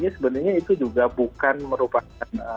sebenarnya itu juga bukan merupakan